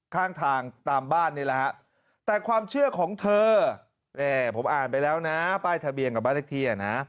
ข้างทางตามบ้านนี้แล้วครับแต่ความเชื่อของเธอผมอ่านไปแล้วนะป้ายทะเบียนกับบ้านนึกที